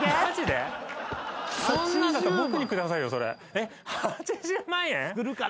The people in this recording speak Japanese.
えっ８０万円！？